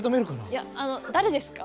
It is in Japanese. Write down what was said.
いやあの誰ですか？